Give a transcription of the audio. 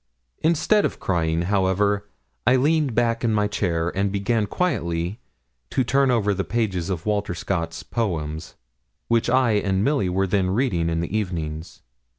Instead of crying, however, I leaned back in my chair, and began quietly to turn over the pages of Walter Scott's poems, which I and Milly were then reading in the evenings.